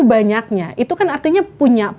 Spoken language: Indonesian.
banyaknya itu kan artinya punya